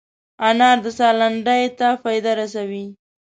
انار د ساه لنډۍ ته فایده رسوي.